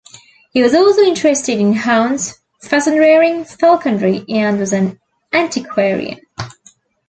He was also interested in hounds, pheasant rearing, falconry and was an antiquarian.